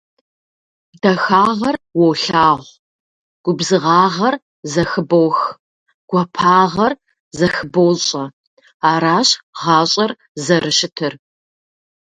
Дахагъэр уолъагъу, губзыгъагъэр зэхыбох, гуапагъэр зэхыбощӏэ. Аращ гъащӏэр зэрыщытыр.